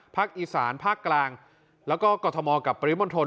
ภาคอีสานภาคกลางแล้วก็กรทมกับปริมณฑล